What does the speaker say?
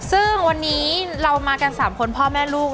ซึ่งวันนี้เรามากัน๓คนพ่อแม่ลูก